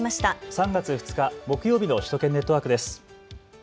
３月２日木曜日の首都圏ネットワークです。